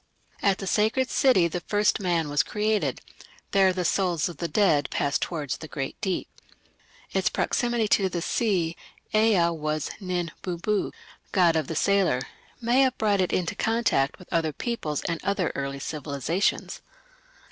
At the sacred city the first man was created: there the souls of the dead passed towards the great Deep. Its proximity to the sea Ea was Nin bubu, "god of the sailor" may have brought it into contact with other peoples and other early civilizations.